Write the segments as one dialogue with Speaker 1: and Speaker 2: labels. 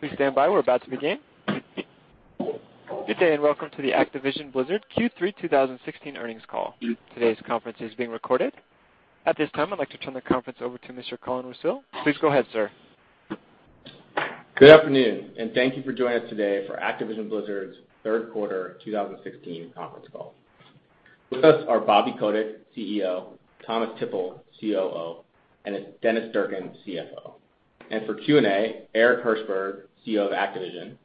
Speaker 1: Please stand by. We're about to begin. Good day, welcome to the Activision Blizzard Q3 2016 earnings call. Today's conference is being recorded. At this time, I'd like to turn the conference over to Mr. Colin Roussil. Please go ahead, sir.
Speaker 2: Good afternoon, thank you for joining us today for Activision Blizzard's third quarter 2016 conference call. With us are Bobby Kotick, CEO, Thomas Tippl, COO, Dennis Durkin, CFO. For Q&A, Eric Hirshberg, CEO of Activision,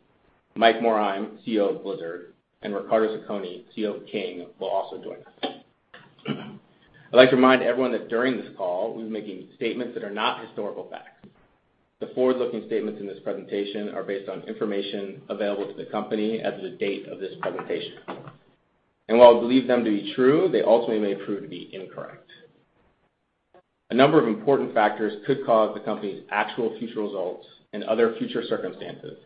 Speaker 2: Mike Morhaime, CEO of Blizzard, and Riccardo Zacconi, CEO of King, will also join us. I'd like to remind everyone that during this call, we'll be making statements that are not historical facts. The forward-looking statements in this presentation are based on information available to the company as of the date of this presentation. While we believe them to be true, they ultimately may prove to be incorrect. A number of important factors could cause the company's actual future results and other future circumstances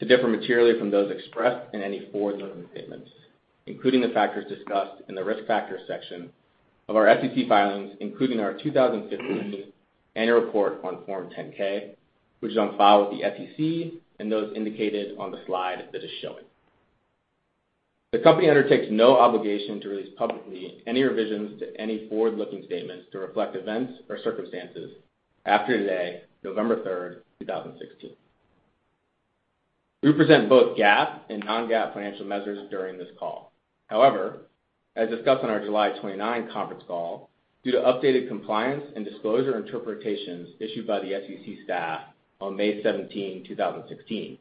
Speaker 2: to differ materially from those expressed in any forward-looking statements, including the factors discussed in the Risk Factors section of our SEC filings, including our 2015 annual report on Form 10-K, which is on file with the SEC, those indicated on the slide that is showing. The company undertakes no obligation to release publicly any revisions to any forward-looking statements to reflect events or circumstances after today, November 3rd, 2016. We present both GAAP and non-GAAP financial measures during this call. However, as discussed on our July 29 conference call, due to updated compliance and disclosure interpretations issued by the SEC staff on May 17, 2016,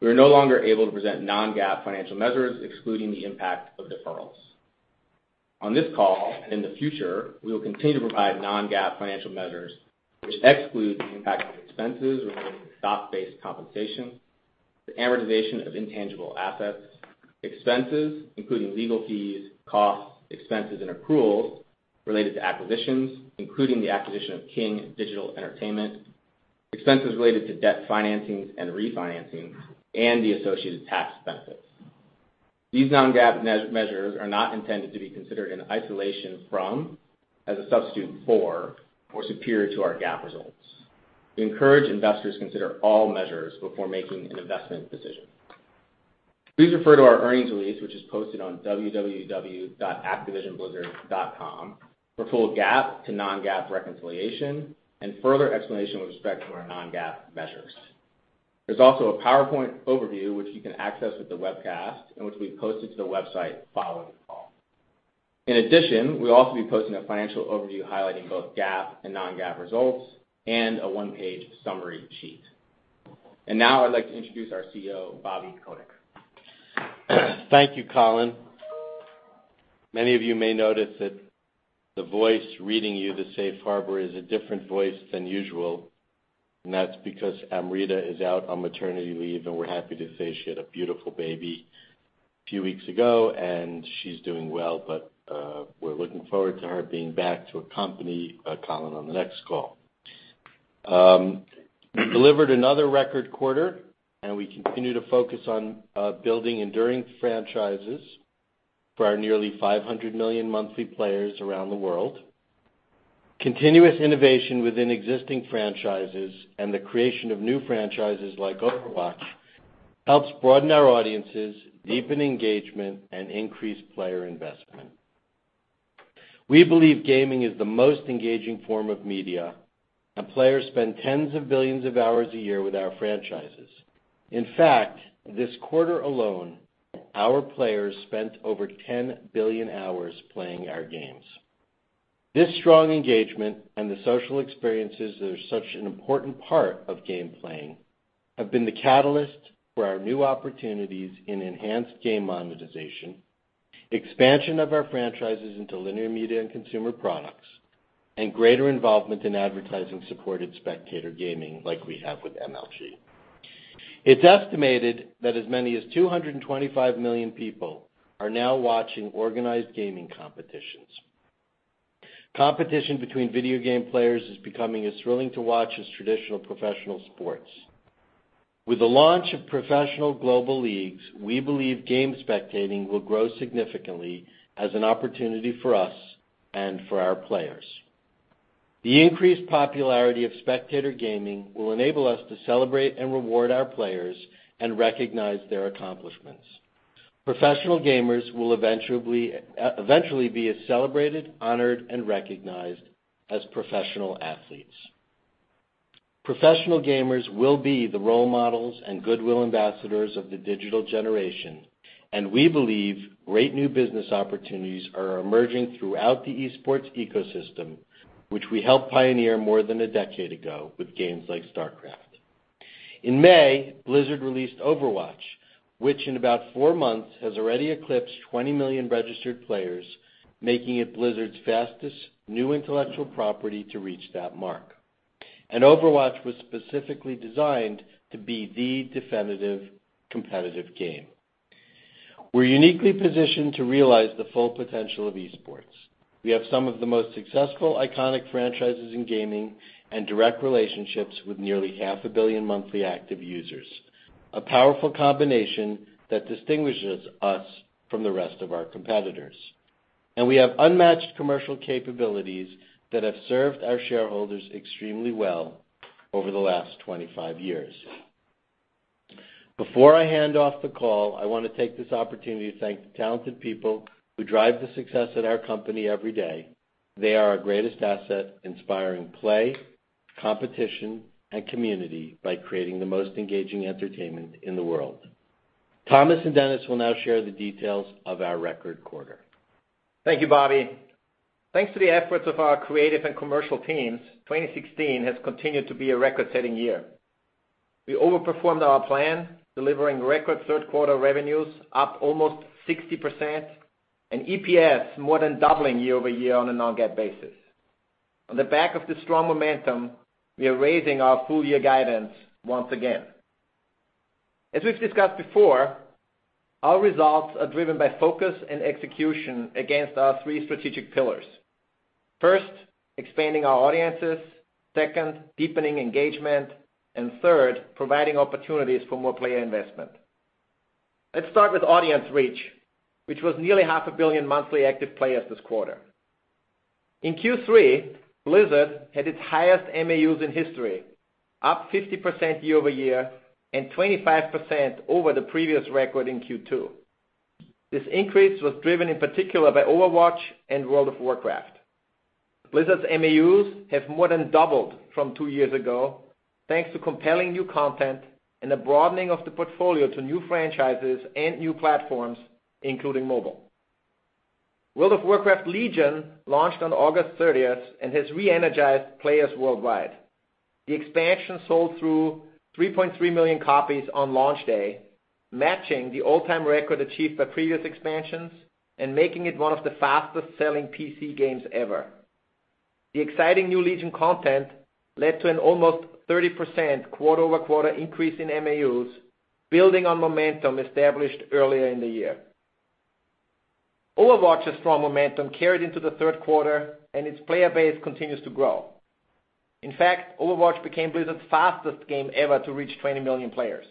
Speaker 2: we are no longer able to present non-GAAP financial measures excluding the impact of deferrals. On this call in the future, we will continue to provide non-GAAP financial measures, which exclude the impact of expenses related to stock-based compensation, the amortization of intangible assets, expenses including legal fees, costs, expenses, and accruals related to acquisitions, including the acquisition of King Digital Entertainment, expenses related to debt financings and refinancings, the associated tax benefits. These non-GAAP measures are not intended to be considered in isolation from, as a substitute for, or superior to our GAAP results. We encourage investors to consider all measures before making an investment decision. Please refer to our earnings release, which is posted on www.activisionblizzard.com for full GAAP to non-GAAP reconciliation and further explanation with respect to our non-GAAP measures. There's also a PowerPoint overview, which you can access with the webcast which we've posted to the website following the call. In addition, we'll also be posting a financial overview highlighting both GAAP and non-GAAP results and a one-page summary sheet. Now I'd like to introduce our CEO, Bobby Kotick.
Speaker 3: Thank you, Colin. Many of you may notice that the voice reading you the safe harbor is a different voice than usual, that's because Amrita is out on maternity leave, and we're happy to say she had a beautiful baby a few weeks ago, and she's doing well. We're looking forward to her being back to accompany Colin on the next call. We delivered another record quarter, we continue to focus on building enduring franchises for our nearly 500 million monthly players around the world. Continuous innovation within existing franchises and the creation of new franchises like "Overwatch" helps broaden our audiences, deepen engagement, and increase player investment. We believe gaming is the most engaging form of media, players spend tens of billions of hours a year with our franchises. In fact, this quarter alone, our players spent over 10 billion hours playing our games. This strong engagement and the social experiences that are such an important part of game playing have been the catalyst for our new opportunities in enhanced game monetization, expansion of our franchises into linear media and consumer products, and greater involvement in advertising-supported spectator gaming, like we have with MLG. It's estimated that as many as 225 million people are now watching organized gaming competitions. Competition between video game players is becoming as thrilling to watch as traditional professional sports. With the launch of professional global leagues, we believe game spectating will grow significantly as an opportunity for us and for our players. The increased popularity of spectator gaming will enable us to celebrate and reward our players and recognize their accomplishments. Professional gamers will eventually be as celebrated, honored, and recognized as professional athletes. Professional gamers will be the role models and goodwill ambassadors of the digital generation, we believe great new business opportunities are emerging throughout the esports ecosystem, which we helped pioneer more than a decade ago with games like "StarCraft". In May, Blizzard released "Overwatch", which in about four months has already eclipsed 20 million registered players, making it Blizzard's fastest new intellectual property to reach that mark. "Overwatch" was specifically designed to be the definitive competitive game. We're uniquely positioned to realize the full potential of esports. We have some of the most successful, iconic franchises in gaming and direct relationships with nearly half a billion monthly active users, a powerful combination that distinguishes us from the rest of our competitors. We have unmatched commercial capabilities that have served our shareholders extremely well over the last 25 years. Before I hand off the call, I want to take this opportunity to thank the talented people who drive the success at our company every day. They are our greatest asset, inspiring play, competition, and community by creating the most engaging entertainment in the world. Thomas and Dennis will now share the details of our record quarter.
Speaker 4: Thank you, Bobby. Thanks to the efforts of our creative and commercial teams, 2016 has continued to be a record-setting year. We overperformed our plan, delivering record third-quarter revenues up almost 60%, and EPS more than doubling year-over-year on a non-GAAP basis. On the back of the strong momentum, we are raising our full-year guidance once again. As we've discussed before, our results are driven by focus and execution against our three strategic pillars. First, expanding our audiences, second, deepening engagement, and third, providing opportunities for more player investment. Let's start with audience reach, which was nearly half a billion monthly active players this quarter. In Q3, Blizzard had its highest MAUs in history, up 50% year-over-year and 25% over the previous record in Q2. This increase was driven in particular by Overwatch and World of Warcraft. Blizzard's MAUs have more than doubled from two years ago, thanks to compelling new content and the broadening of the portfolio to new franchises and new platforms, including mobile. World of Warcraft: Legion launched on August 30th and has re-energized players worldwide. The expansion sold through 3.3 million copies on launch day, matching the all-time record achieved by previous expansions and making it one of the fastest-selling PC games ever. The exciting new Legion content led to an almost 30% quarter-over-quarter increase in MAUs, building on momentum established earlier in the year. Overwatch's strong momentum carried into the third quarter, and its player base continues to grow. In fact, Overwatch became Blizzard's fastest game ever to reach 20 million players.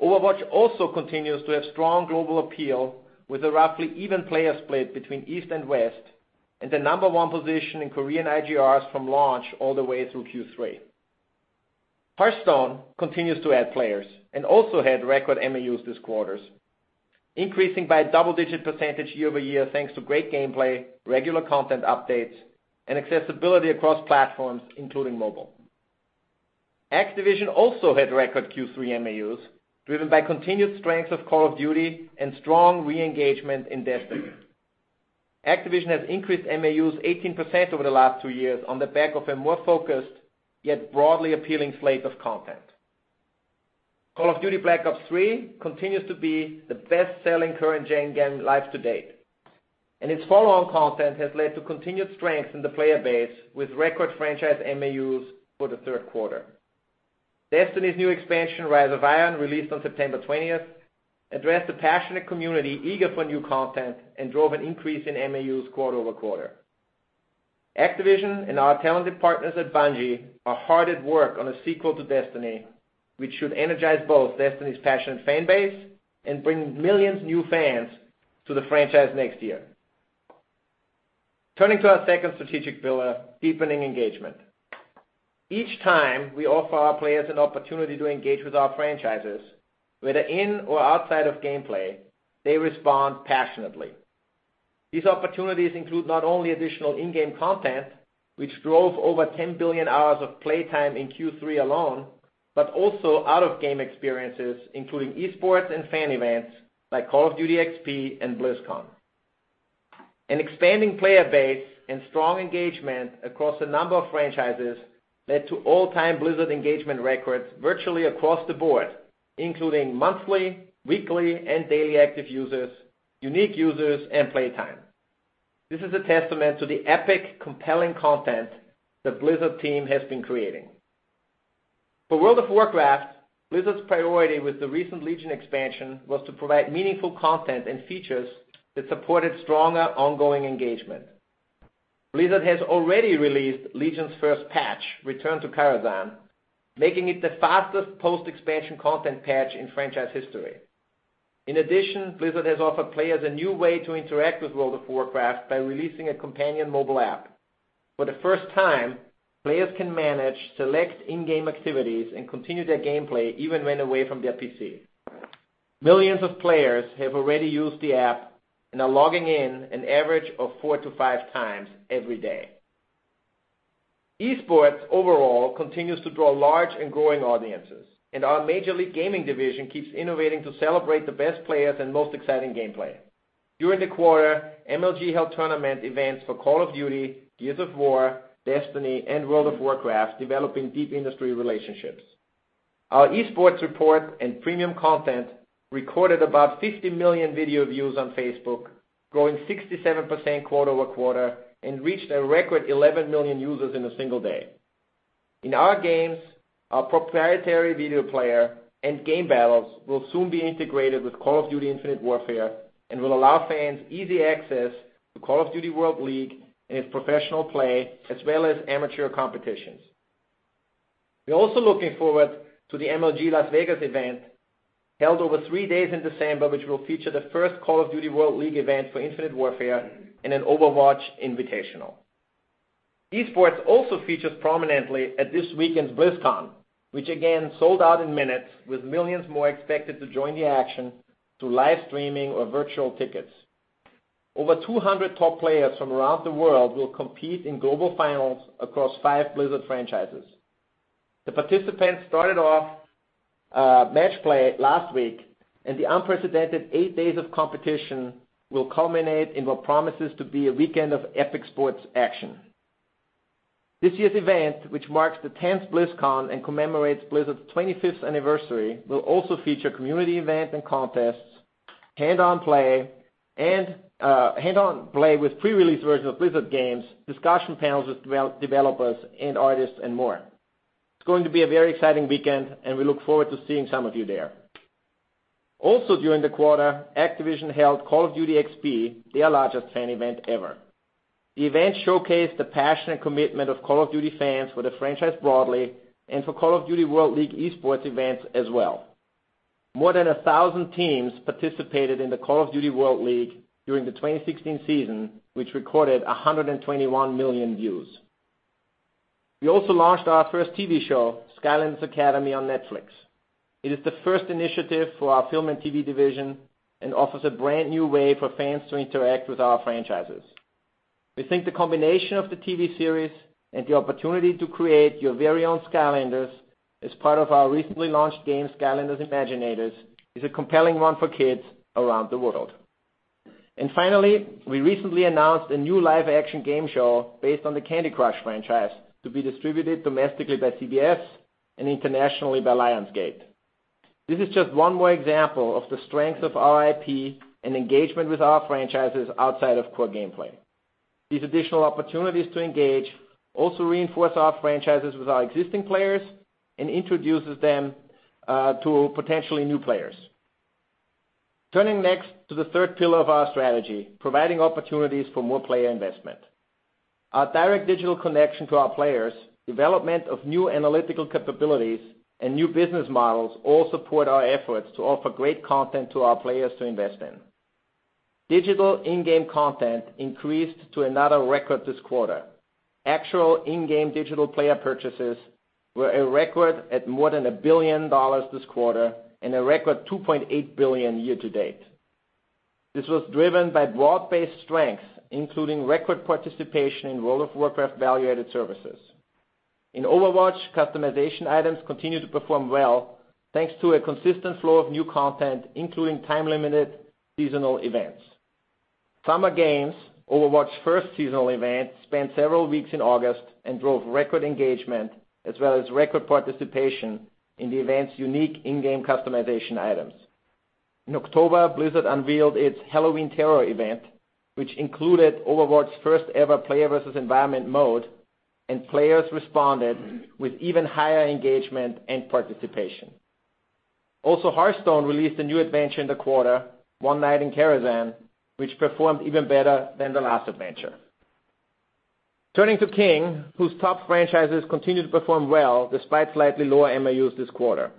Speaker 4: Overwatch also continues to have strong global appeal, with a roughly even player split between East and West, and the number one position in Korean IGRs from launch all the way through Q3. Hearthstone continues to add players and also had record MAUs this quarter, increasing by a double-digit percentage year-over-year, thanks to great gameplay, regular content updates, and accessibility across platforms, including mobile. Activision also had record Q3 MAUs, driven by continued strength of Call of Duty and strong re-engagement in Destiny. Activision has increased MAUs 18% over the last two years on the back of a more focused, yet broadly appealing slate of content. Call of Duty: Black Ops III continues to be the best-selling current-gen game live to date, and its follow-on content has led to continued strength in the player base, with record franchise MAUs for the third quarter. Destiny's new expansion, Rise of Iron, released on September 20th, addressed the passionate community eager for new content and drove an increase in MAUs quarter-over-quarter. Activision and our talented partners at Bungie are hard at work on a sequel to Destiny, which should energize both Destiny's passionate fan base and bring millions of new fans to the franchise next year. Turning to our second strategic pillar, deepening engagement. Each time we offer our players an opportunity to engage with our franchises, whether in or outside of gameplay, they respond passionately. These opportunities include not only additional in-game content, which drove over 10 billion hours of playtime in Q3 alone, but also out-of-game experiences, including esports and fan events like Call of Duty XP and BlizzCon. An expanding player base and strong engagement across a number of franchises led to all-time Blizzard engagement records virtually across the board, including monthly, weekly, and daily active users, unique users, and playtime. This is a testament to the epic, compelling content the Blizzard team has been creating. For World of Warcraft, Blizzard's priority with the recent Legion expansion was to provide meaningful content and features that supported stronger ongoing engagement. Blizzard has already released Legion's first patch, Return to Karazhan, making it the fastest post-expansion content patch in franchise history. In addition, Blizzard has offered players a new way to interact with World of Warcraft by releasing a companion mobile app. For the first time, players can manage select in-game activities and continue their gameplay even when away from their PC. Millions of players have already used the app and are logging in an average of four to five times every day. Esports overall continues to draw large and growing audiences. Our Major League Gaming division keeps innovating to celebrate the best players and most exciting gameplay. During the quarter, MLG held tournament events for Call of Duty, Gears of War, Destiny, and World of Warcraft, developing deep industry relationships. Our esports report and premium content recorded about 50 million video views on Facebook, growing 67% quarter-over-quarter, and reached a record 11 million users in a single day. In our games, our proprietary video player and game battles will soon be integrated with Call of Duty: Infinite Warfare and will allow fans easy access to Call of Duty: World League and its professional play, as well as amateur competitions. We're also looking forward to the MLG Las Vegas event held over three days in December, which will feature the first Call of Duty World League event for Infinite Warfare and an Overwatch Invitational. Esports also features prominently at this weekend's BlizzCon, which again sold out in minutes with millions more expected to join the action through live streaming or virtual tickets. Over 200 top players from around the world will compete in global finals across five Blizzard franchises. The participants started off match play last week. The unprecedented eight days of competition will culminate in what promises to be a weekend of epic sports action. This year's event, which marks the 10th BlizzCon and commemorates Blizzard's 25th anniversary, will also feature community events and contests, hands-on play with pre-release versions of Blizzard games, discussion panels with developers and artists, and more. It's going to be a very exciting weekend, and we look forward to seeing some of you there. Also during the quarter, Activision held Call of Duty XP, their largest fan event ever. The event showcased the passion and commitment of Call of Duty fans for the franchise broadly and for Call of Duty World League Esports events as well. More than 1,000 teams participated in the Call of Duty World League during the 2016 season, which recorded 121 million views. We launched our first TV show, Skylanders Academy, on Netflix. It is the first initiative for our film and TV division and offers a brand-new way for fans to interact with our franchises. We think the combination of the TV series and the opportunity to create your very own Skylanders as part of our recently launched game, Skylanders Imaginators, is a compelling one for kids around the world. Finally, we recently announced a new live-action game show based on the Candy Crush franchise to be distributed domestically by CBS and internationally by Lionsgate. This is just one more example of the strength of our IP and engagement with our franchises outside of core gameplay. These additional opportunities to engage reinforce our franchises with our existing players and introduces them to potentially new players. Turning next to the third pillar of our strategy, providing opportunities for more player investment. Our direct digital connection to our players, development of new analytical capabilities, and new business models all support our efforts to offer great content to our players to invest in. Digital in-game content increased to another record this quarter. Actual in-game digital player purchases were a record at more than $1 billion this quarter and a record $2.8 billion year-to-date. This was driven by broad-based strengths, including record participation in World of Warcraft value-added services. In Overwatch, customization items continue to perform well thanks to a consistent flow of new content, including time-limited seasonal events. Summer Games, Overwatch's first seasonal event, spent several weeks in August and drove record engagement as well as record participation in the event's unique in-game customization items. In October, Blizzard unveiled its Halloween Terror event, which included Overwatch's first-ever player versus environment mode, and players responded with even higher engagement and participation. Hearthstone released a new adventure in the quarter, One Night in Karazhan, which performed even better than the last adventure. Turning to King, whose top franchises continue to perform well despite slightly lower MAUs this quarter.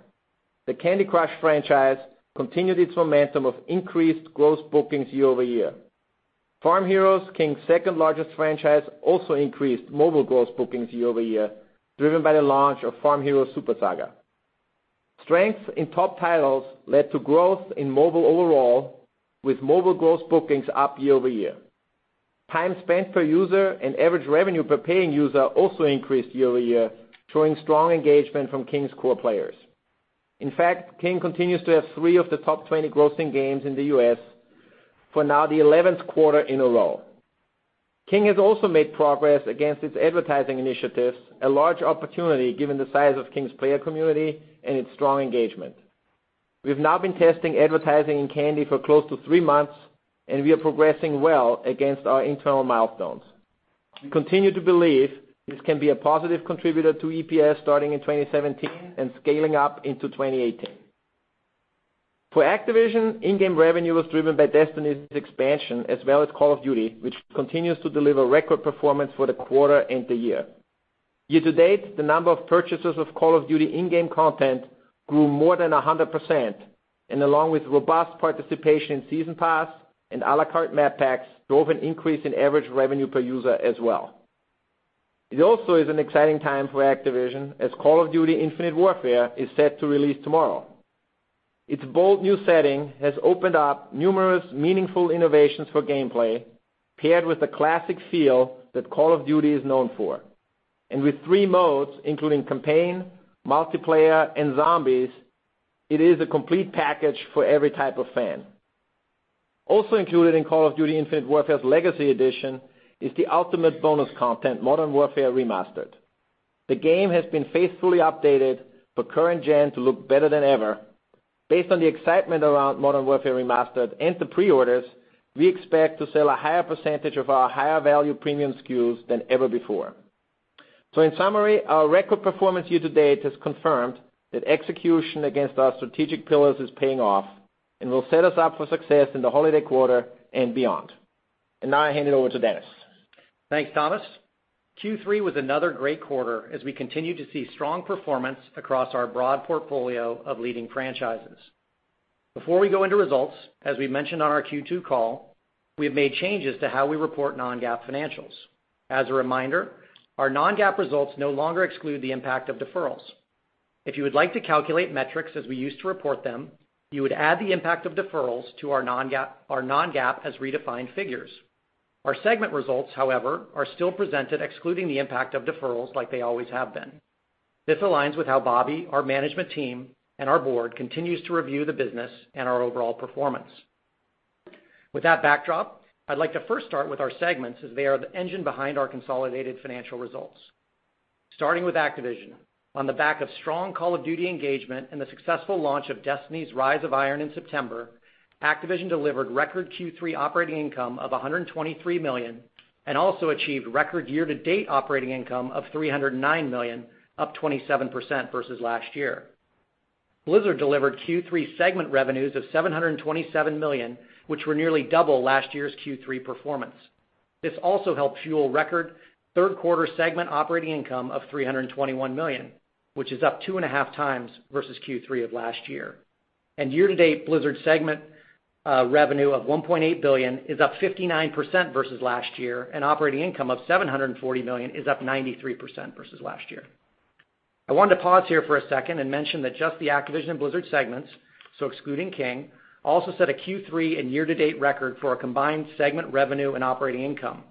Speaker 4: The Candy Crush franchise continued its momentum of increased gross bookings year-over-year. Farm Heroes, King's second-largest franchise, increased mobile gross bookings year-over-year, driven by the launch of Farm Heroes Super Saga. Strength in top titles led to growth in mobile overall, with mobile gross bookings up year-over-year. Time spent per user and average revenue per paying user increased year-over-year, showing strong engagement from King's core players. In fact, King continues to have three of the top 20 grossing games in the U.S. for now the 11th quarter in a row. King has made progress against its advertising initiatives, a large opportunity given the size of King's player community and its strong engagement. We've now been testing advertising in Candy for close to three months, and we are progressing well against our internal milestones. We continue to believe this can be a positive contributor to EPS starting in 2017 and scaling up into 2018. For Activision, in-game revenue was driven by Destiny's expansion as well as Call of Duty, which continues to deliver record performance for the quarter and the year. Year-to-date, the number of purchases of Call of Duty in-game content grew more than 100%, and along with robust participation in Season Pass and à la carte map packs, drove an increase in average revenue per user as well. It also is an exciting time for Activision as Call of Duty: Infinite Warfare is set to release tomorrow. Its bold new setting has opened up numerous meaningful innovations for gameplay paired with the classic feel that Call of Duty is known for. With three modes, including campaign, multiplayer, and zombies, it is a complete package for every type of fan. Also included in Call of Duty: Infinite Warfare's Legacy Edition is the ultimate bonus content, Modern Warfare Remastered. The game has been faithfully updated for current gen to look better than ever. Based on the excitement around Modern Warfare Remastered and the pre-orders, we expect to sell a higher percentage of our higher-value premium SKUs than ever before. In summary, our record performance year-to-date has confirmed that execution against our strategic pillars is paying off and will set us up for success in the holiday quarter and beyond. Now I hand it over to Dennis.
Speaker 5: Thanks, Thomas. Q3 was another great quarter as we continue to see strong performance across our broad portfolio of leading franchises. Before we go into results, as we mentioned on our Q2 call, we have made changes to how we report non-GAAP financials. As a reminder, our non-GAAP results no longer exclude the impact of deferrals. If you would like to calculate metrics as we used to report them, you would add the impact of deferrals to our non-GAAP as redefined figures. Our segment results, however, are still presented excluding the impact of deferrals like they always have been. This aligns with how Bobby, our management team, and our board continues to review the business and our overall performance. With that backdrop, I'd like to first start with our segments as they are the engine behind our consolidated financial results. Starting with Activision. On the back of strong Call of Duty engagement and the successful launch of Destiny's Rise of Iron in September, Activision delivered record Q3 operating income of $123 million and also achieved record year-to-date operating income of $309 million, up 27% versus last year. Blizzard delivered Q3 segment revenues of $727 million, which were nearly double last year's Q3 performance. This also helped fuel record third quarter segment operating income of $321 million, which is up two and a half times versus Q3 of last year. Year-to-date, Blizzard segment revenue of $1.8 billion is up 59% versus last year, and operating income of $740 million is up 93% versus last year. I wanted to pause here for a second and mention that just the Activision and Blizzard segments, so excluding King, also set a Q3 and year-to-date record for a combined segment revenue and operating income.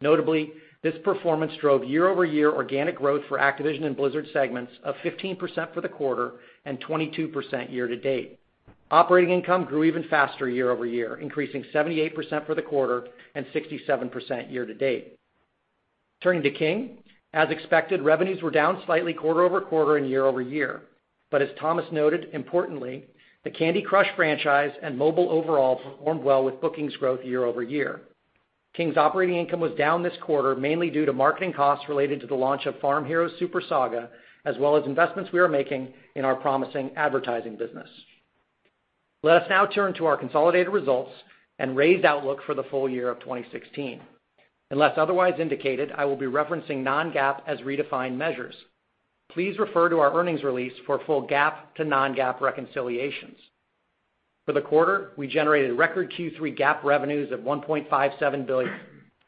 Speaker 5: Notably, this performance drove year-over-year organic growth for Activision and Blizzard segments of 15% for the quarter and 22% year-to-date. Operating income grew even faster year-over-year, increasing 78% for the quarter and 67% year-to-date. Turning to King, as expected, revenues were down slightly quarter-over-quarter and year-over-year. As Thomas noted, importantly, the Candy Crush franchise and mobile overall performed well with bookings growth year-over-year. King's operating income was down this quarter, mainly due to marketing costs related to the launch of Farm Heroes Super Saga, as well as investments we are making in our promising advertising business. Let us now turn to our consolidated results and raised outlook for the full year of 2016. Unless otherwise indicated, I will be referencing non-GAAP as redefined measures. Please refer to our earnings release for full GAAP to non-GAAP reconciliations. For the quarter, we generated record Q3 GAAP revenues of $1.57 billion,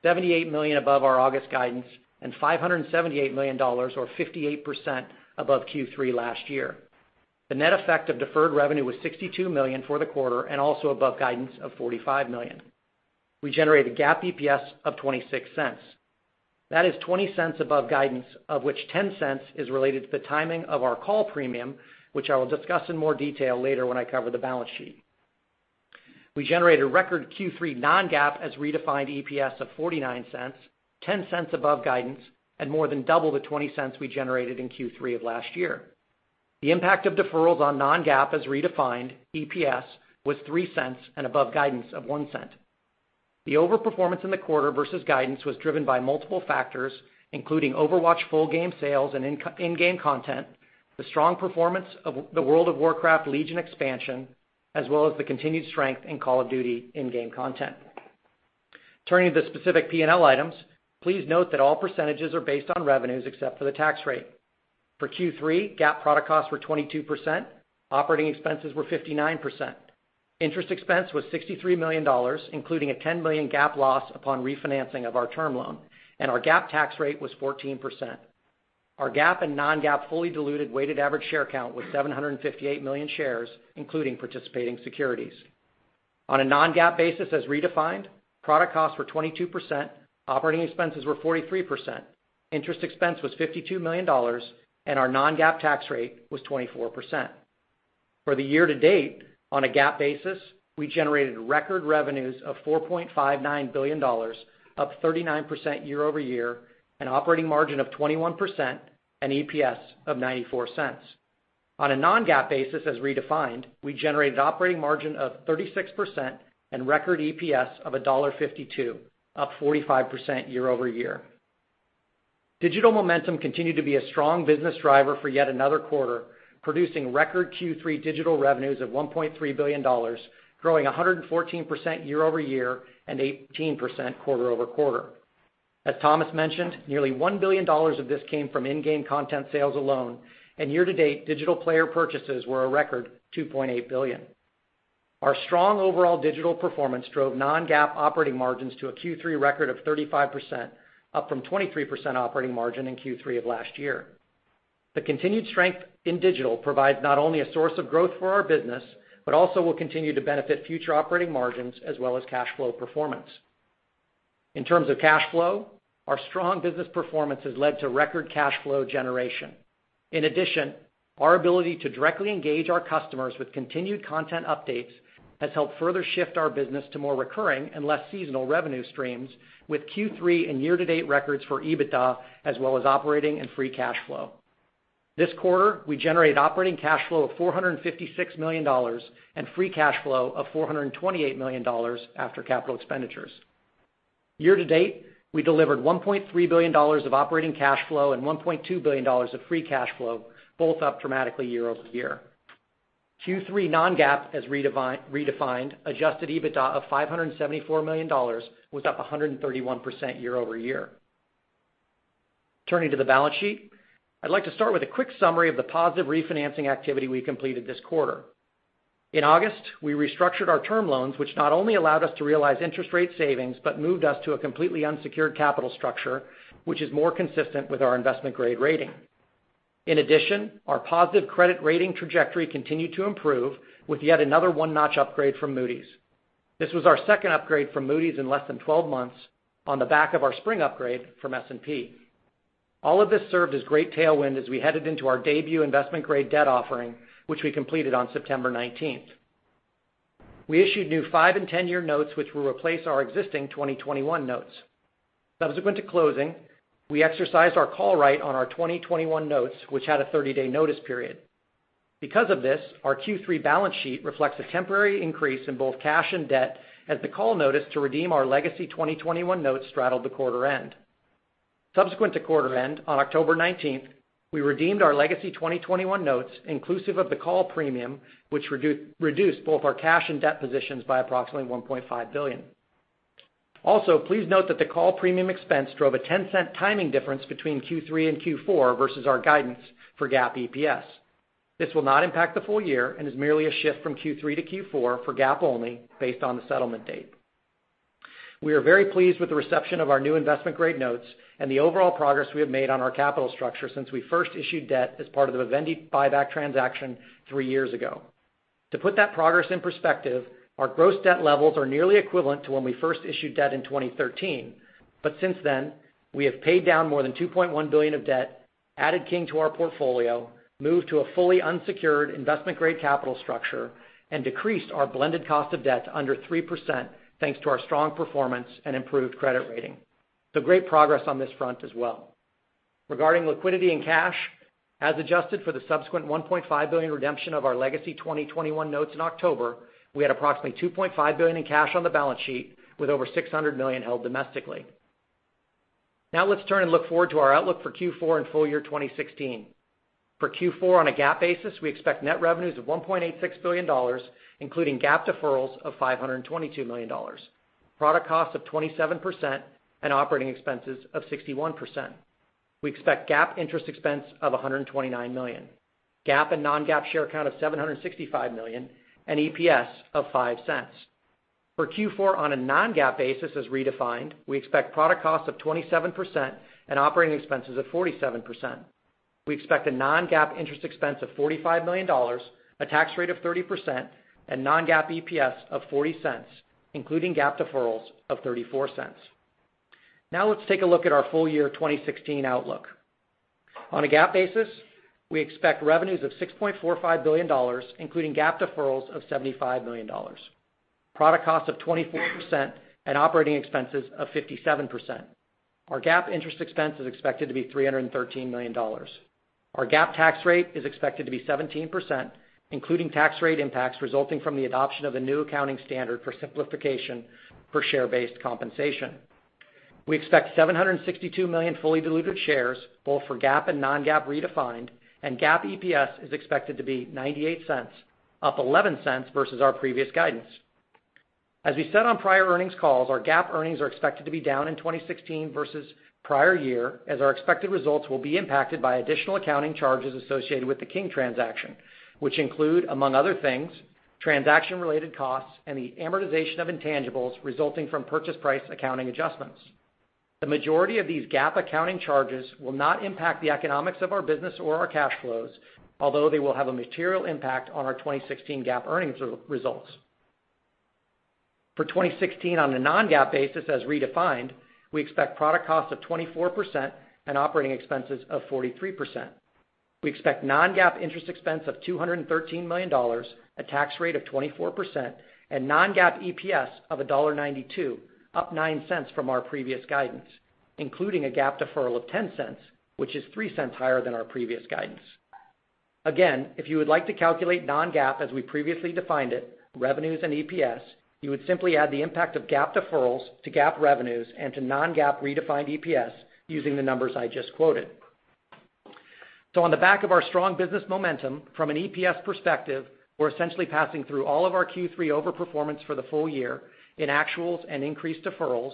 Speaker 5: $78 million above our August guidance and $578 million, or 58% above Q3 last year. The net effect of deferred revenue was $62 million for the quarter and also above guidance of $45 million. We generated GAAP EPS of $0.26. That is $0.20 above guidance, of which $0.10 is related to the timing of our call premium, which I will discuss in more detail later when I cover the balance sheet. We generated record Q3 non-GAAP as redefined EPS of $0.49, $0.10 above guidance, and more than double the $0.20 we generated in Q3 of last year. The impact of deferrals on non-GAAP as redefined EPS was $0.03 and above guidance of $0.01. The overperformance in the quarter versus guidance was driven by multiple factors, including Overwatch full game sales and in-game content, the strong performance of the World of Warcraft: Legion expansion, as well as the continued strength in Call of Duty in-game content. Turning to the specific P&L items, please note that all percentages are based on revenues except for the tax rate. For Q3, GAAP product costs were 22%, operating expenses were 59%. Interest expense was $63 million, including a $10 million GAAP loss upon refinancing of our term loan, and our GAAP tax rate was 14%. Our GAAP and non-GAAP fully diluted weighted average share count was 758 million shares, including participating securities. On a non-GAAP basis as redefined, product costs were 22%, operating expenses were 43%, interest expense was $52 million, and our non-GAAP tax rate was 24%. For the year-to-date, on a GAAP basis, we generated record revenues of $4.59 billion, up 39% year-over-year, an operating margin of 21%, and EPS of $0.94. On a non-GAAP basis as redefined, we generated operating margin of 36% and record EPS of $1.52, up 45% year-over-year. Digital momentum continued to be a strong business driver for yet another quarter, producing record Q3 digital revenues of $1.3 billion, growing 114% year-over-year and 18% quarter-over-quarter. As Thomas mentioned, nearly $1 billion of this came from in-game content sales alone, and year-to-date digital player purchases were a record $2.8 billion. Our strong overall digital performance drove non-GAAP operating margins to a Q3 record of 35%, up from 23% operating margin in Q3 of last year. The continued strength in digital provides not only a source of growth for our business, but also will continue to benefit future operating margins as well as cash flow performance. In terms of cash flow, our strong business performance has led to record cash flow generation. In addition, our ability to directly engage our customers with continued content updates has helped further shift our business to more recurring and less seasonal revenue streams with Q3 and year-to-date records for EBITDA as well as operating and free cash flow. This quarter, we generated operating cash flow of $456 million and free cash flow of $428 million after capital expenditures. Year-to-date, we delivered $1.3 billion of operating cash flow and $1.2 billion of free cash flow, both up dramatically year-over-year. Q3 non-GAAP, as redefined, adjusted EBITDA of $574 million was up 131% year-over-year. Turning to the balance sheet, I'd like to start with a quick summary of the positive refinancing activity we completed this quarter. In August, we restructured our term loans, which not only allowed us to realize interest rate savings, but moved us to a completely unsecured capital structure, which is more consistent with our investment-grade rating. In addition, our positive credit rating trajectory continued to improve with yet another one-notch upgrade from Moody's. This was our second upgrade from Moody's in less than 12 months on the back of our spring upgrade from S&P. All of this served as great tailwind as we headed into our debut investment-grade debt offering, which we completed on September 19th. We issued new five- and 10-year notes, which will replace our existing 2021 notes. Subsequent to closing, we exercised our call right on our 2021 notes, which had a 30-day notice period. Because of this, our Q3 balance sheet reflects a temporary increase in both cash and debt as the call notice to redeem our legacy 2021 notes straddled the quarter end. Subsequent to quarter end, on October 19th, we redeemed our legacy 2021 notes inclusive of the call premium, which reduced both our cash and debt positions by approximately $1.5 billion. Also, please note that the call premium expense drove a $0.10 timing difference between Q3 and Q4 versus our guidance for GAAP EPS. This will not impact the full year and is merely a shift from Q3 to Q4 for GAAP only based on the settlement date. We are very pleased with the reception of our new investment-grade notes and the overall progress we have made on our capital structure since we first issued debt as part of the Vivendi buyback transaction three years ago. To put that progress in perspective, our gross debt levels are nearly equivalent to when we first issued debt in 2013. Since then, we have paid down more than $2.1 billion of debt, added King to our portfolio, moved to a fully unsecured investment-grade capital structure, and decreased our blended cost of debt to under 3%, thanks to our strong performance and improved credit rating. Great progress on this front as well. Regarding liquidity and cash, as adjusted for the subsequent $1.5 billion redemption of our legacy 2021 notes in October, we had approximately $2.5 billion in cash on the balance sheet with over $600 million held domestically. Now let's turn and look forward to our outlook for Q4 and full year 2016. For Q4 on a GAAP basis, we expect net revenues of $1.86 billion, including GAAP deferrals of $522 million, product costs of 27%, and operating expenses of 61%. We expect GAAP interest expense of $129 million, GAAP and non-GAAP share count of 765 million, and EPS of $0.05. For Q4 on a non-GAAP basis as redefined, we expect product costs of 27% and operating expenses of 47%. We expect a non-GAAP interest expense of $45 million, a tax rate of 30%, and non-GAAP EPS of $0.40, including GAAP deferrals of $0.34. Now let's take a look at our full-year 2016 outlook. On a GAAP basis, we expect revenues of $6.45 billion, including GAAP deferrals of $75 million, product costs of 24%, and operating expenses of 57%. Our GAAP interest expense is expected to be $313 million. Our GAAP tax rate is expected to be 17%, including tax rate impacts resulting from the adoption of a new accounting standard for simplification for share-based compensation. We expect 762 million fully diluted shares, both for GAAP and non-GAAP redefined, and GAAP EPS is expected to be $0.98, up $0.11 versus our previous guidance. As we said on prior earnings calls, our GAAP earnings are expected to be down in 2016 versus prior year, as our expected results will be impacted by additional accounting charges associated with the King transaction, which include, among other things, transaction-related costs and the amortization of intangibles resulting from purchase price accounting adjustments. The majority of these GAAP accounting charges will not impact the economics of our business or our cash flows, although they will have a material impact on our 2016 GAAP earnings results. For 2016 on a non-GAAP basis as redefined, we expect product costs of 24% and operating expenses of 43%. We expect non-GAAP interest expense of $213 million, a tax rate of 24%, and non-GAAP EPS of $1.92, up $0.09 from our previous guidance, including a GAAP deferral of $0.10, which is $0.03 higher than our previous guidance. If you would like to calculate non-GAAP as we previously defined it, revenues and EPS, you would simply add the impact of GAAP deferrals to GAAP revenues and to non-GAAP redefined EPS using the numbers I just quoted. On the back of our strong business momentum from an EPS perspective, we're essentially passing through all of our Q3 over-performance for the full year in actuals and increased deferrals,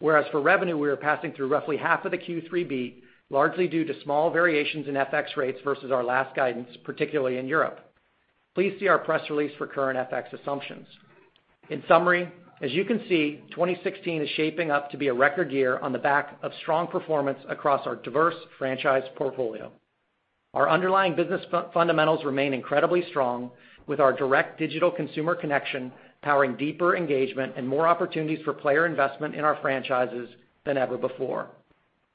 Speaker 5: whereas for revenue, we are passing through roughly half of the Q3 beat, largely due to small variations in FX rates versus our last guidance, particularly in Europe. Please see our press release for current FX assumptions. In summary, as you can see, 2016 is shaping up to be a record year on the back of strong performance across our diverse franchise portfolio. Our underlying business fundamentals remain incredibly strong with our direct digital consumer connection powering deeper engagement and more opportunities for player investment in our franchises than ever before.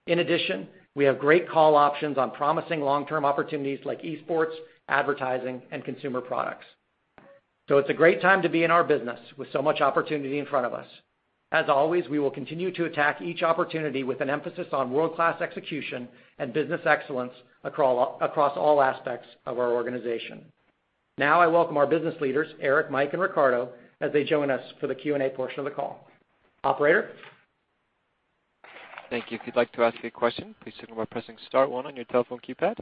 Speaker 5: In addition, we have great call options on promising long-term opportunities like esports, advertising, and consumer products. It's a great time to be in our business with so much opportunity in front of us. As always, we will continue to attack each opportunity with an emphasis on world-class execution and business excellence across all aspects of our organization. Now I welcome our business leaders, Eric, Mike, and Riccardo, as they join us for the Q&A portion of the call. Operator?
Speaker 1: Thank you. If you'd like to ask a question, please signal by pressing star one on your telephone keypad.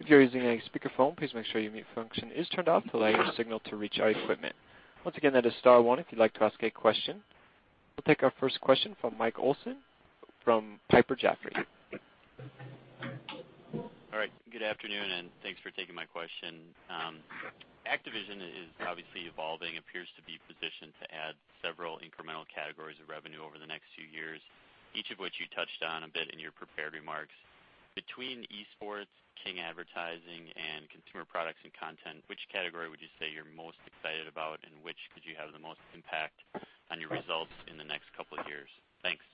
Speaker 1: If you're using a speakerphone, please make sure your mute function is turned off to allow your signal to reach our equipment. Once again, that is star one if you'd like to ask a question. We'll take our first question from Mike Olson from Piper Jaffray.
Speaker 6: All right. Good afternoon, and thanks for taking my question. Activision is obviously evolving, appears to be positioned to add several incremental categories of revenue over the next few years, each of which you touched on a bit in your prepared remarks. Between esports, King advertising, and consumer products and content, which category would you say you're most excited about, and which could you have the most impact on your results in the next couple of years? Thanks.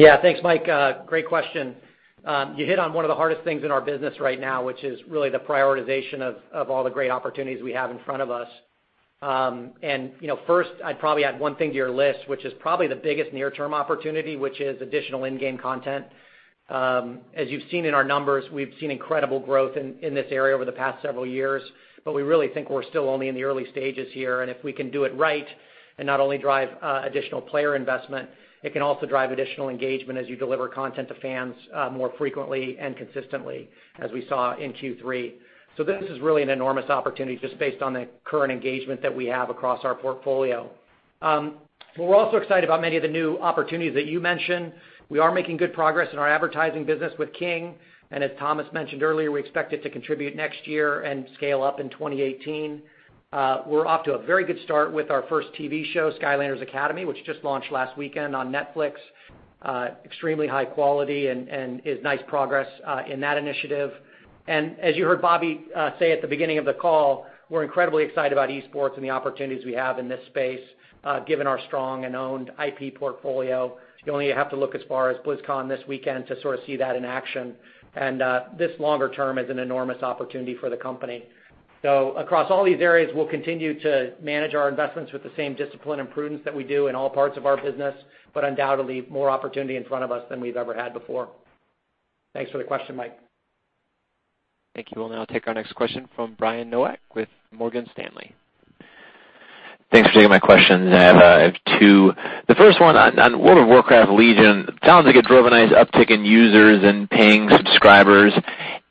Speaker 5: Yeah. Thanks, Mike. Great question. You hit on one of the hardest things in our business right now, which is really the prioritization of all the great opportunities we have in front of us. First, I'd probably add one thing to your list, which is probably the biggest near-term opportunity, which is additional in-game content. As you've seen in our numbers, we've seen incredible growth in this area over the past several years, but we really think we're still only in the early stages here. If we can do it right and not only drive additional player investment, it can also drive additional engagement as you deliver content to fans more frequently and consistently, as we saw in Q3. This is really an enormous opportunity just based on the current engagement that we have across our portfolio. We're also excited about many of the new opportunities that you mentioned. We are making good progress in our advertising business with King, and as Thomas mentioned earlier, we expect it to contribute next year and scale up in 2018. We're off to a very good start with our first TV show, "Skylanders Academy," which just launched last weekend on Netflix. Extremely high quality and is nice progress in that initiative. As you heard Bobby say at the beginning of the call, we're incredibly excited about esports and the opportunities we have in this space, given our strong and owned IP portfolio. You only have to look as far as BlizzCon this weekend to sort of see that in action. This longer term is an enormous opportunity for the company. Across all these areas, we'll continue to manage our investments with the same discipline and prudence that we do in all parts of our business, but undoubtedly, more opportunity in front of us than we've ever had before. Thanks for the question, Mike.
Speaker 1: Thank you. We'll now take our next question from Brian Nowak with Morgan Stanley.
Speaker 7: Thanks for taking my questions. I have two. The first one on World of Warcraft: Legion. Sounds like it drove a nice uptick in users and paying subscribers.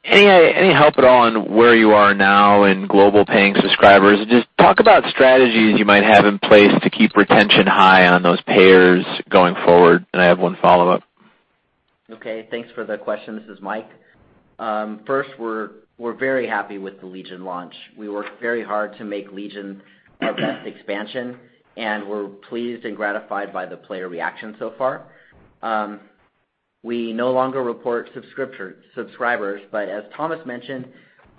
Speaker 7: Any help at all on where you are now in global paying subscribers? Just talk about strategies you might have in place to keep retention high on those payers going forward. I have one follow-up.
Speaker 8: Thanks for the question. This is Mike. First, we're very happy with the Legion launch. We worked very hard to make Legion our best expansion, and we're pleased and gratified by the player reaction so far. We no longer report subscribers, but as Thomas mentioned,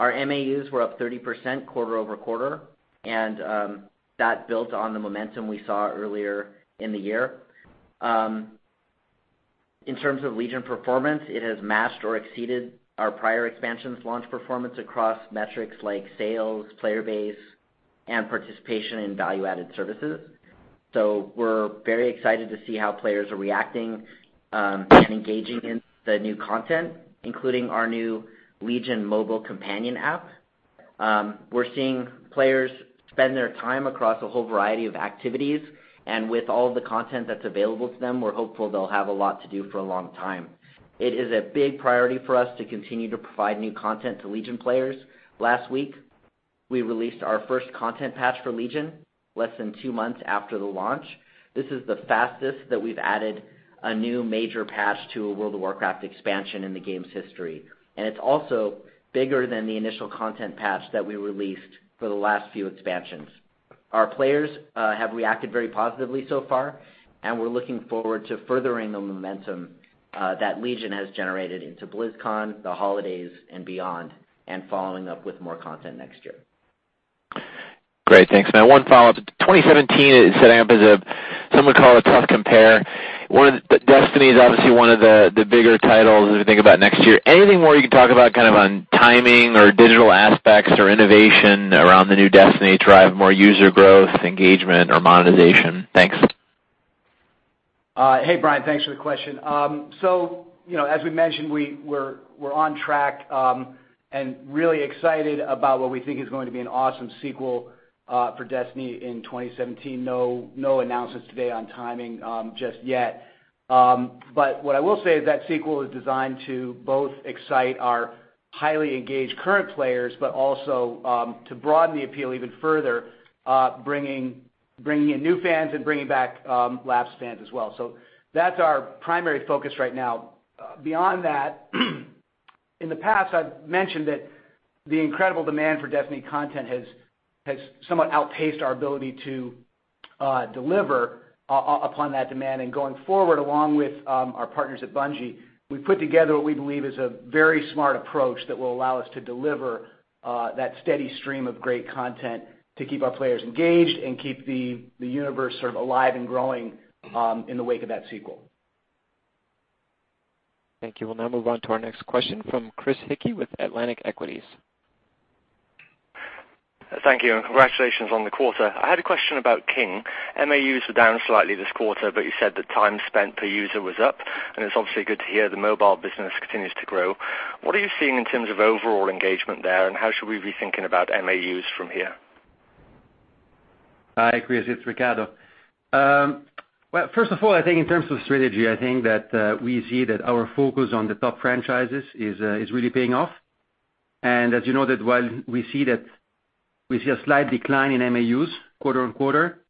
Speaker 8: our MAUs were up 30% quarter-over-quarter, and that built on the momentum we saw earlier in the year. In terms of Legion performance, it has matched or exceeded our prior expansions' launch performance across metrics like sales, player base, and participation in value-added services. We're very excited to see how players are reacting and engaging in the new content, including our new Legion mobile companion app. We're seeing players spend their time across a whole variety of activities, and with all the content that's available to them, we're hopeful they'll have a lot to do for a long time. It is a big priority for us to continue to provide new content to Legion players. Last week, we released our first content patch for Legion, less than two months after the launch. This is the fastest that we've added a new major patch to a World of Warcraft expansion in the game's history. It's also bigger than the initial content patch that we released for the last few expansions. Our players have reacted very positively so far, and we're looking forward to furthering the momentum that Legion has generated into BlizzCon, the holidays, and beyond, and following up with more content next year.
Speaker 7: Great. Thanks. One follow-up. 2017 is setting up as some would call a tough compare. Destiny is obviously one of the bigger titles if you think about next year. Anything more you can talk about kind of on timing or digital aspects or innovation around the new Destiny to drive more user growth, engagement, or monetization? Thanks.
Speaker 5: Hey, Brian. Thanks for the question. As we mentioned, we're on track and really excited about what we think is going to be an awesome sequel for Destiny in 2017. No announcements today on timing just yet. What I will say is that sequel is designed to both excite our highly engaged current players, but also to broaden the appeal even further bringing in new fans and bringing back lapsed fans as well. That's our primary focus right now. Beyond that, in the past, I've mentioned that the incredible demand for Destiny content has somewhat outpaced our ability to deliver upon that demand. Going forward, along with our partners at Bungie, we've put together what we believe is a very smart approach that will allow us to deliver that steady stream of great content to keep our players engaged and keep the universe sort of alive and growing in the wake of that sequel.
Speaker 1: Thank you. We'll now move on to our next question from Chris Hickey with Atlantic Equities.
Speaker 9: Thank you. Congratulations on the quarter. I had a question about King. MAUs were down slightly this quarter, but you said that time spent per user was up, and it's obviously good to hear the mobile business continues to grow. What are you seeing in terms of overall engagement there, and how should we be thinking about MAUs from here?
Speaker 10: Hi, Chris. It's Riccardo. Well, first of all, I think in terms of strategy, I think that we see that our focus on the top franchises is really paying off. As you know, while we see a slight decline in MAUs quarter-on-quarter,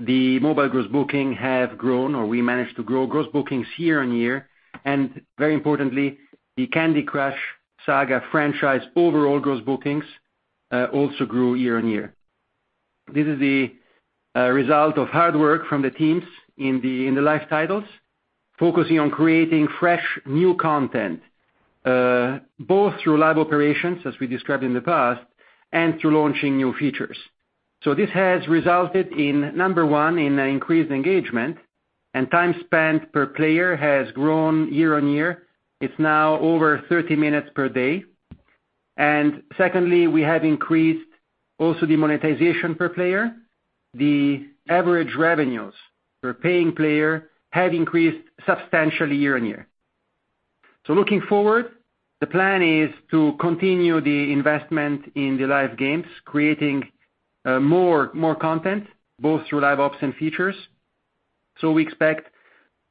Speaker 10: the mobile gross booking have grown, or we managed to grow gross bookings year-on-year. Very importantly, the Candy Crush Saga franchise overall gross bookings also grew year-on-year. This is the result of hard work from the teams in the live titles, focusing on creating fresh, new content, both through live operations as we described in the past, and through launching new features. This has resulted in, number one, an increased engagement, and time spent per player has grown year-on-year. It's now over 30 minutes per day. Secondly, we have increased also the monetization per player. The average revenues per paying player have increased substantially year on year. Looking forward, the plan is to continue the investment in the live games, creating more content, both through live ops and features. We expect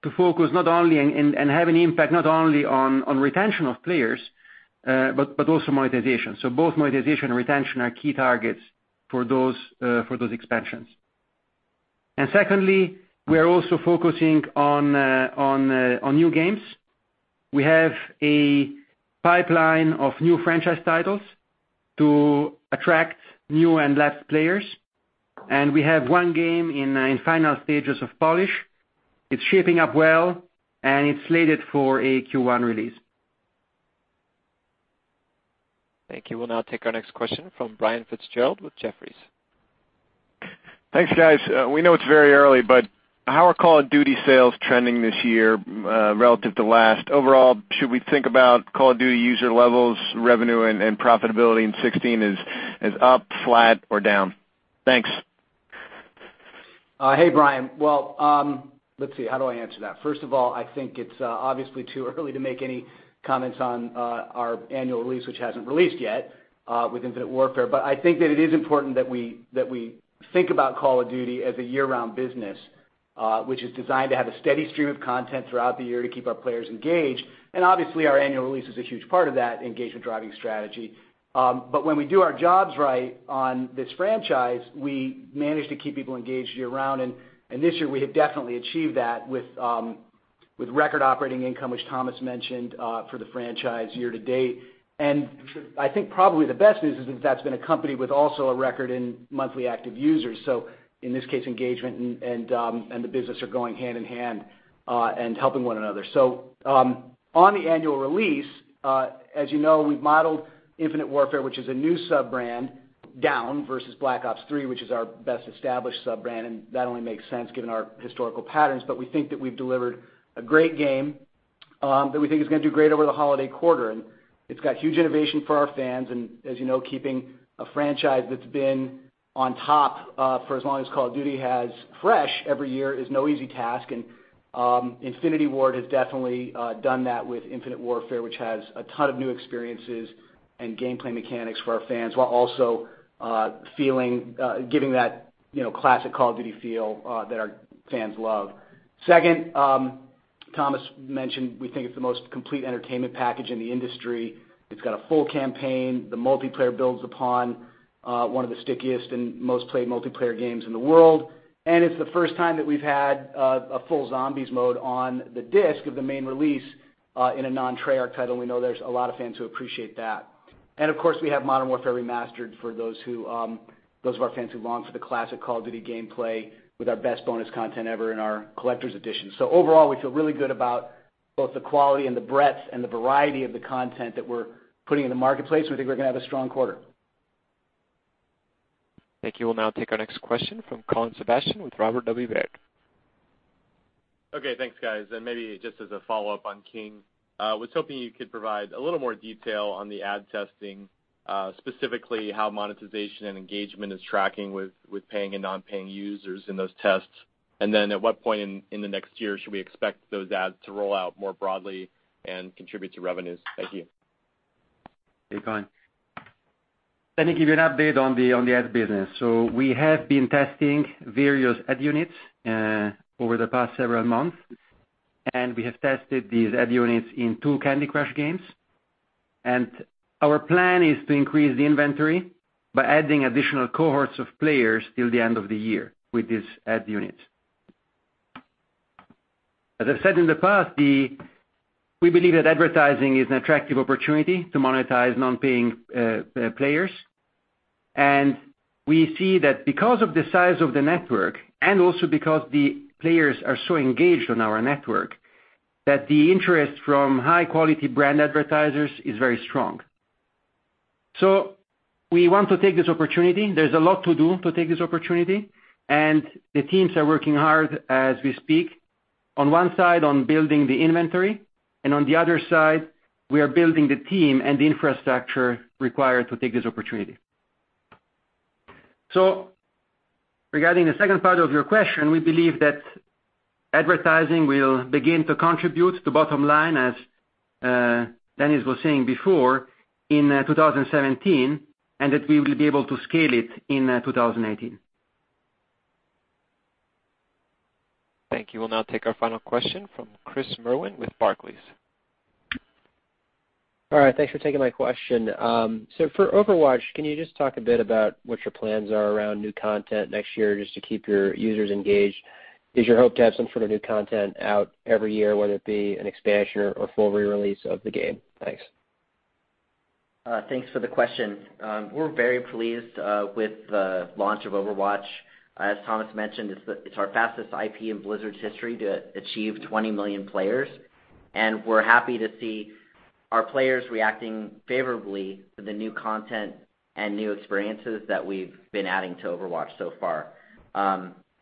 Speaker 10: to focus and have an impact not only on retention of players, but also monetization. Both monetization and retention are key targets for those expansions. Secondly, we are also focusing on new games. We have a pipeline of new franchise titles to attract new and lapsed players, and we have one game in final stages of polish. It's shaping up well, and it's slated for a Q1 release.
Speaker 1: Thank you. We'll now take our next question from Brian Fitzgerald with Jefferies.
Speaker 11: Thanks, guys. We know it's very early, but how are Call of Duty sales trending this year, relative to last? Overall, should we think about Call of Duty user levels, revenue, and profitability in 2016 as up, flat, or down? Thanks.
Speaker 12: Hey, Brian. Let's see, how do I answer that? First of all, I think it's obviously too early to make any comments on our annual release, which hasn't released yet, with Infinite Warfare. I think that it is important that we think about Call of Duty as a year-round business, which is designed to have a steady stream of content throughout the year to keep our players engaged. Obviously, our annual release is a huge part of that engagement-driving strategy. When we do our jobs right on this franchise, we manage to keep people engaged year-round. This year we have definitely achieved that with record operating income, which Thomas mentioned, for the franchise year to date. I think probably the best news is that's been accompanied with also a record in monthly active users. In this case, engagement and the business are going hand in hand, and helping one another. On the annual release, as you know, we've modeled Infinite Warfare, which is a new sub-brand, down versus Black Ops III, which is our best established sub-brand. That only makes sense given our historical patterns. We think that we've delivered a great game that we think is going to do great over the holiday quarter. It's got huge innovation for our fans. As you know, keeping a franchise that's been on top for as long as Call of Duty has fresh every year is no easy task. Infinity Ward has definitely done that with Infinite Warfare, which has a ton of new experiences and gameplay mechanics for our fans, while also giving that classic Call of Duty feel that our fans love. Second, Thomas mentioned we think it's the most complete entertainment package in the industry. It's got a full campaign. The multiplayer builds upon one of the stickiest and most played multiplayer games in the world. It's the first time that we've had a full zombies mode on the disc of the main release in a non-Treyarch title. We know there's a lot of fans who appreciate that. Of course, we have Modern Warfare Remastered for those of our fans who long for the classic Call of Duty gameplay with our best bonus content ever in our Collector's Edition. Overall, we feel really good about both the quality and the breadth and the variety of the content that we're putting in the marketplace. We think we're going to have a strong quarter.
Speaker 1: Thank you. We'll now take our next question from Colin Sebastian with Robert W. Baird.
Speaker 13: Thanks, guys. Maybe just as a follow-up on King, I was hoping you could provide a little more detail on the ad testing, specifically how monetization and engagement is tracking with paying and non-paying users in those tests. Then at what point in the next year should we expect those ads to roll out more broadly and contribute to revenues? Thank you.
Speaker 10: Hey, Colin. We have been testing various ad units over the past several months, and we have tested these ad units in two Candy Crush games. Our plan is to increase the inventory by adding additional cohorts of players till the end of the year with these ad units. As I've said in the past, we believe that advertising is an attractive opportunity to monetize non-paying players. We see that because of the size of the network and also because the players are so engaged on our network, that the interest from high-quality brand advertisers is very strong. We want to take this opportunity. There's a lot to do to take this opportunity, and the teams are working hard as we speak, on one side on building the inventory, and on the other side, we are building the team and the infrastructure required to take this opportunity. Regarding the second part of your question, we believe that Advertising will begin to contribute to bottom line, as Dennis was saying before, in 2017, and that we will be able to scale it in 2018.
Speaker 1: Thank you. We'll now take our final question from Chris Merwin with Barclays.
Speaker 14: All right. Thanks for taking my question. For Overwatch, can you just talk a bit about what your plans are around new content next year, just to keep your users engaged? Is your hope to have some sort of new content out every year, whether it be an expansion or full re-release of the game? Thanks.
Speaker 8: Thanks for the question. We are very pleased with the launch of Overwatch. As Thomas mentioned, it is our fastest IP in Blizzard's history to achieve 20 million players. We are happy to see our players reacting favorably to the new content and new experiences that we have been adding to Overwatch so far.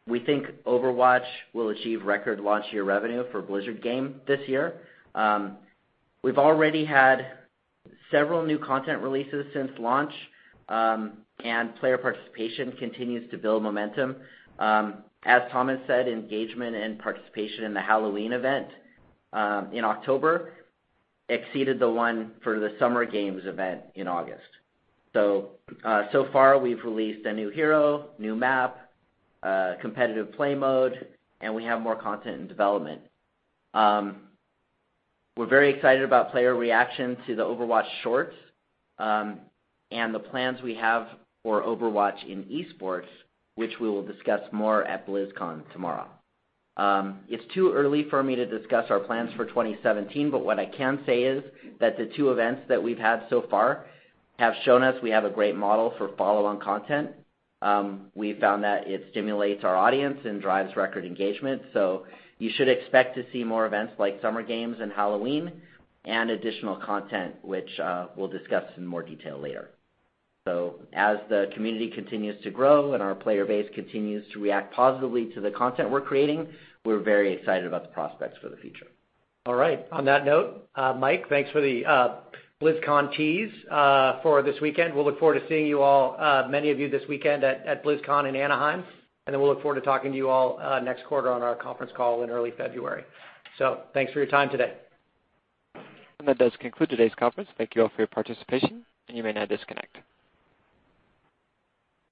Speaker 8: We think Overwatch will achieve record launch year revenue for Blizzard game this year. We have already had several new content releases since launch. Player participation continues to build momentum. As Thomas said, engagement and participation in the Halloween event in October exceeded the one for the Summer Games event in August. Far we have released a new hero, new map, competitive play mode, and we have more content in development. We are very excited about player reaction to the Overwatch shorts, and the plans we have for Overwatch in esports, which we will discuss more at BlizzCon tomorrow. It is too early for me to discuss our plans for 2017, what I can say is that the two events that we have had so far have shown us we have a great model for follow-on content. We found that it stimulates our audience and drives record engagement. You should expect to see more events like Summer Games and Halloween and additional content, which we will discuss in more detail later. As the community continues to grow and our player base continues to react positively to the content we are creating, we are very excited about the prospects for the future.
Speaker 5: All right. On that note, Mike, thanks for the BlizzCon tease for this weekend. We will look forward to seeing you all, many of you this weekend at BlizzCon in Anaheim. We will look forward to talking to you all next quarter on our conference call in early February. Thanks for your time today.
Speaker 1: That does conclude today's conference. Thank you all for your participation, and you may now disconnect.